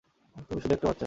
তুমি শুধু একটা বাচ্চা।